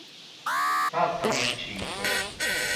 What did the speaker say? Saltano in cinque.